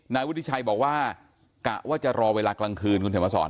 นายวุฒิชัยบอกว่ากะว่าจะรอเวลากลางคืนคุณเขียนมาสอน